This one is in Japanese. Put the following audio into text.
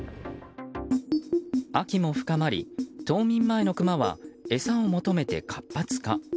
秋も深まり冬眠前のクマは餌を求めて活発化。